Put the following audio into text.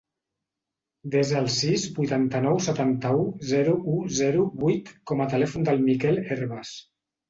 Desa el sis, vuitanta-nou, setanta-u, zero, u, zero, vuit com a telèfon del Mikel Hervas.